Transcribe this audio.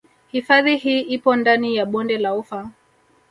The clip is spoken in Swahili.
Hifadhi hii ipo ndani ya Bonde la Ufa